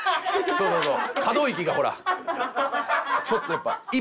そうそうそう。